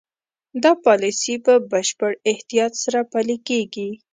دا پالیسي په بشپړ احتیاط سره پلي کېږي.